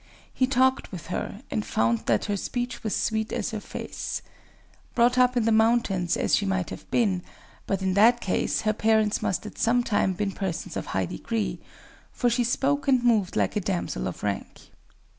He talked with her, and found that her speech was sweet as her face. Brought up in the mountains as she might have been;—but, in that case, her parents must at some time been persons of high degree; for she spoke and moved like a damsel of rank.